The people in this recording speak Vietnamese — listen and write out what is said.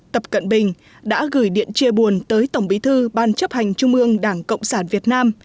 tập cận bình đã gửi điện chia buồn tới tổng bí thư ban chấp hành trung ương đảng cộng sản việt nam